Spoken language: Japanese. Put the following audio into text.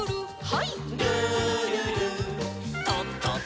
はい。